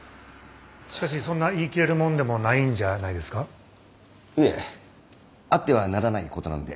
しかしそんな言い切れるもんでもないんじゃないですか。いえあってはならないことなんで。